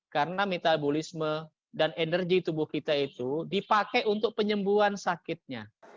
karena metabolisme dan energi tubuh kita itu dipakai untuk penyembuhan sakitnya